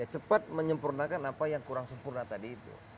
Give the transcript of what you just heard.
cepat menyempurnakan apa yang kurang sempurna tadi itu